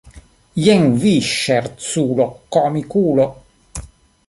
Jen vi ŝerculo, komikulo!